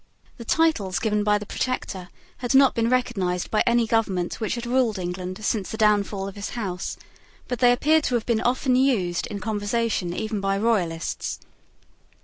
The titles given by the Protector had not been recognised by any government which had ruled England since the downfall of his house; but they appear to have been often used in conversation even by Royalists.